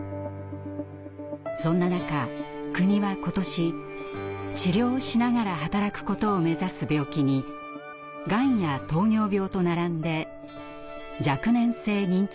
そんな中国は今年「治療しながら働くこと」を目指す病気にがんや糖尿病と並んで「若年性認知症」を加えました。